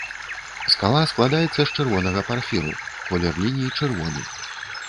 Скала складаецца з чырвонага парфіру, колер ліній чырвоны.